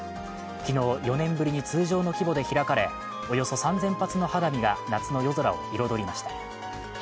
昨日、４年ぶりに通常の規模で開かれ、およそ３０００発の花火が夏の夜空を彩りました。